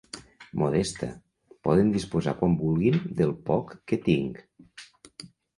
Modesta–, poden disposar quan vulguin del poc que tinc.